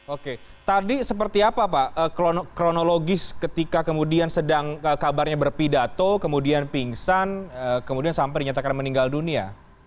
oke tadi seperti apa pak kronologis ketika kemudian sedang kabarnya berpidato kemudian pingsan kemudian sampai dinyatakan meninggal dunia